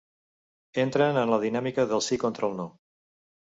Entren en la dinàmica del sí contra el no.